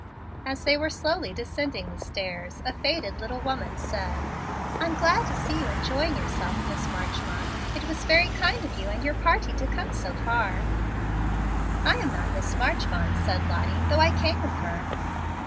As they were slowly descending the stairs a faded little woman said, "I'm glad to see you enjoying yourself, Miss Marchmont. It was very kind of you and your party to come so far." "I am not Miss Marchmont," said Lottie, "though I came with her."